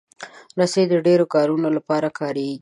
رسۍ د ډیرو کارونو لپاره کارېږي.